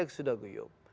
indonesia sudah guyup